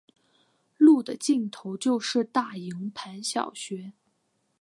路的尽头就是大营盘小学。